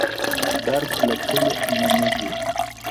درد له کلي نه نه ځي,